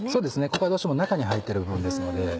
ここはどうしても中に入っている部分ですので。